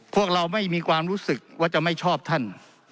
พวกเราไม่มีความรู้สึกว่าจะไม่ชอบท่าน